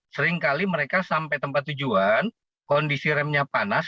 seringkali mereka sampai tempat tujuan kondisi remnya panas